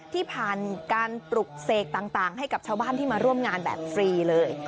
ที่ผ่านการปลุกเสกต่างให้กับชาวบ้านที่มาร่วมงานแบบฟรีเลย